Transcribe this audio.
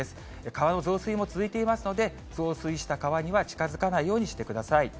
川の増水も続いていますので、増水した川には近づかないようにしてください。